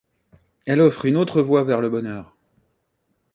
Elle offre une autre voie vers le bonheur.